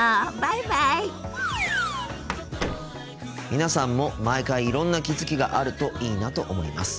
皆さんも毎回いろんな気付きがあるといいなと思います。